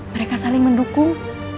mereka saling mendukung